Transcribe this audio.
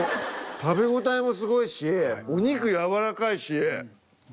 食べ応えもすごいしお肉軟らかいし。